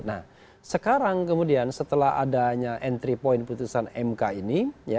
nah sekarang kemudian setelah adanya entry point putusan mk ini